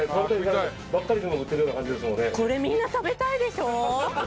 これみんな食べたいでしょう？